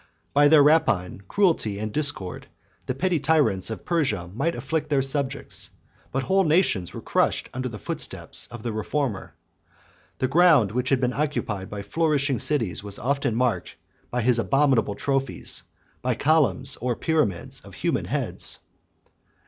By their rapine, cruelty, and discord, the petty tyrants of Persia might afflict their subjects; but whole nations were crushed under the footsteps of the reformer. The ground which had been occupied by flourishing cities was often marked by his abominable trophies, by columns, or pyramids, of human heads.